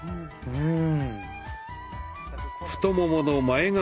うん。